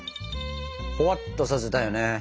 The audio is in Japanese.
ほわっとさせたいよね。